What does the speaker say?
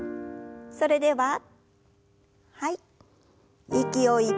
それでははい。